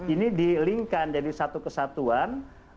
ini di linkan jadi satu kesatuan